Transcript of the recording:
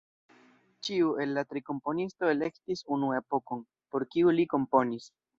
Ĉiu el la tri komponisto elektis unu epokon, por kiu li komponis.